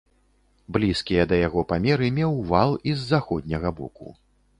Блізкія да яго памеры меў вал і з заходняга боку.